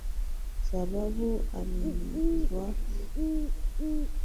sababu amenizaa walisema nilileta laana lakini baba yangu akawaambia mimi sio laana bali